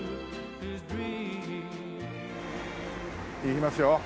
行きますよ。